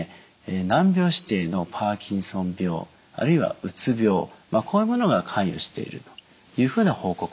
難病指定のパーキンソン病あるいはうつ病こういうものが関与しているというふうな報告もあります。